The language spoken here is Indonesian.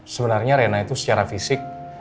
sebenarnya rena itu secara fisik